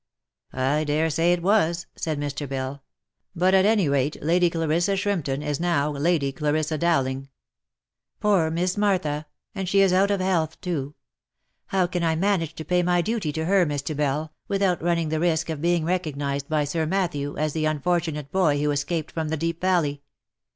" I dare say it was," said Mr. Bell. " But, at any rate, Lady Clarissa Shrimpton is now Lady Clarissa Dowling." " Poor Miss Martha !— and she is out of health too ? How can I manage to pay my duty to her, Mr. Bell, without running the risk of being recognised by Sir Matthew, as the unfortunate boy who escaped from the Deep Valley